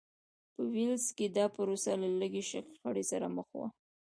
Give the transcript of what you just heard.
په ویلز کې دا پروسه له لږې شخړې سره مل وه.